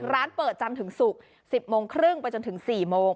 ร้านเปิดจำถึงศุกร์๑๐โมงครึ่งไปจนถึง๔โมง